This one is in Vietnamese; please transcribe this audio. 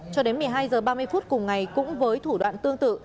cho đến một mươi hai h ba mươi phút cùng ngày cũng với thủ đoạn tương tự